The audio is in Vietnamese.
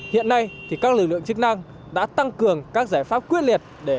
hiện nay thì các lực lượng chức năng đã tăng cường các giải pháp quyết liệt để hạn chế